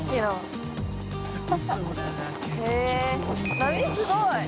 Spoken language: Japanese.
波すごい。